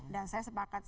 dan saya sepertinya juga